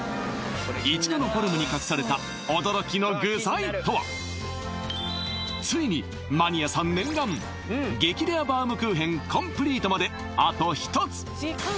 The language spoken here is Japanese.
イチゴのフォルムに隠された驚きの具材とはついにマニアさん念願激レアバウムクーヘンコンプリートまであと１つラストは予約が殺到